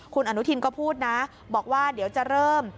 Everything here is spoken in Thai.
คุณอนุทินก็พูดนะบอกว่าเดี๋ยวจะเริ่ม